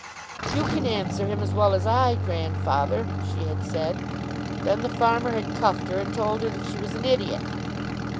"You can answer him as well as I, grandfather," she had said. Then the farmer had cuffed her, and told her that she was an idiot.